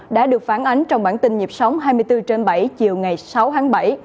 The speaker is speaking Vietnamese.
đã được phán ánh trong bản tin nhịp sóng hai mươi bốn trên bảy chiều ngày sáu tháng bảy